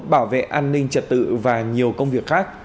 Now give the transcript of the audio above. bảo vệ an ninh trật tự và nhiều công việc khác